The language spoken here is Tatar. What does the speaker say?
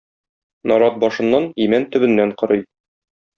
Нарат - башыннан, имән - төбеннән корый.